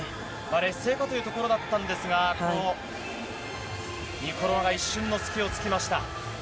劣勢かというところだったんですが、このニコロワが一瞬の隙を突きました。